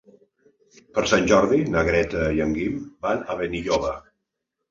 Per Sant Jordi na Greta i en Guim van a Benilloba.